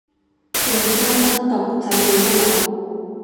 利申真毒仔女都冇